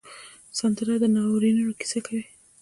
سندره د ناورینونو کیسه کوي